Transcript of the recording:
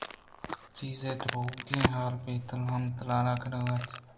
چیزے ءَ درٛوگیں حال ہم تالان کُتگ اَنت